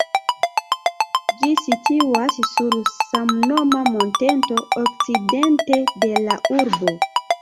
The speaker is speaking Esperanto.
Ĝi situas sur samnoma monteto, okcidente de la urbo.